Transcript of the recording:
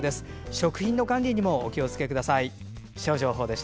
食品の管理にお気を付けください。